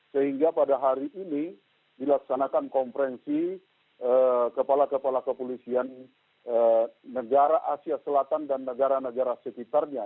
sehingga pada hari ini dilaksanakan konferensi kepala kepala kepolisian negara asia selatan dan negara negara sekitarnya